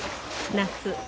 夏。